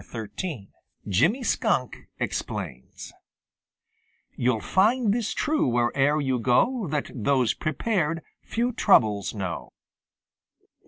XIII JIMMY SKUNK EXPLAINS You'll find this true where'er you go That those prepared few troubles know.